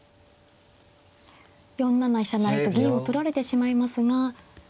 ４七飛車成と銀を取られてしまいますがその間に。